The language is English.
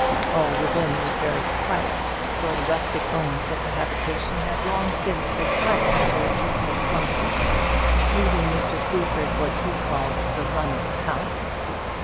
All within was very quiet, for the rustic owners of the habitation had long since retired to their peaceful slumbers, leaving Mr. Sleaford what he called "the run of the house."